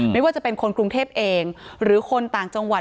ไม่ว่าจะเป็นคนกรุงเทพเองหรือคนต่างจังหวัด